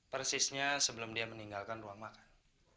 persisnya sebelum dia meninggalkan ruang makan